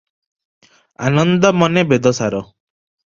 ଆନନ୍ଦମନେ ବେଦସାର ।